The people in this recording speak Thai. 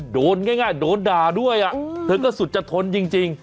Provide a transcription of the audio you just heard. โดนง่ายโดนด่าด้วยเธอก็สุดจะทนจริง